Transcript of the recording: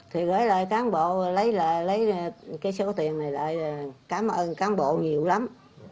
thì gửi lại cán bộ lấy lại lấy cái số tiền này lại cảm ơn cán bộ nhiều lắm